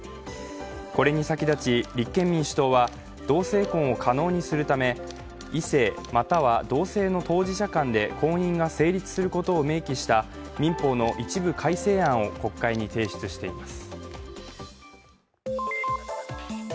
これに先立ち、立憲民主党は同性婚を可能にするため、異性または同性の当事者間で婚姻が成立することを明記した民法の一部改正案を国会に提出しています。